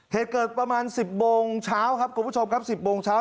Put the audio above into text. เหตุเกิดประมาณ๑๐โมงเช้าครับคุณผู้ชมครับ๑๐โมงเช้า